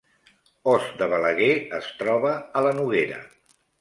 Os de Balaguer es troba a la Noguera